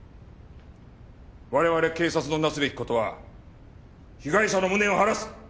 我々警察の成すべき事は被害者の無念を晴らす。